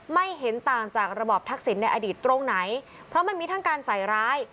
ไม่เห็นต่างจากระบอบทักษิณในอดีตตรงไหนเพราะมันมีทั้งการใส่ร้าย